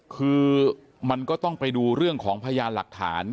คือมันก็ต้องไปดูเรื่องของพยานหลักฐาน